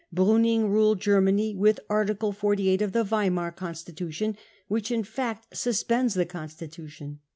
Bruning ruled Germany with Article 48 of the Weimar ^ Constitution, which in fact suspends the constitution.